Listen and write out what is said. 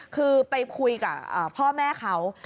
คือไปคุยกับพ่อแม่เขา